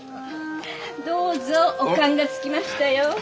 どうぞお燗がつきましたよ。